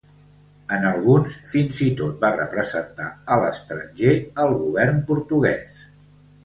En alguns, fins i tot va representar a l'estranger al govern portuguès.